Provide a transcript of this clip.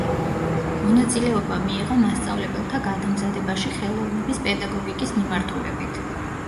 მონაწილეობა მიიღო მასწავლებელთა გადამზადებაში ხელოვნების პედაგოგიკის მიმართულებით.